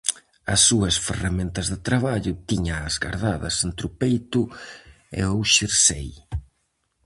As súas ferramentas de traballo tíñaas gardadas entre o peito e o xersei.